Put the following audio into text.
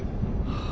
あ。